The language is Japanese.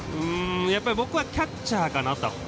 僕はキャッチャーかなと。